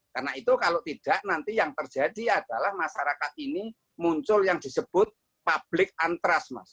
karena itu kalau tidak nanti yang terjadi adalah masyarakat ini muncul yang disebut public antrasmas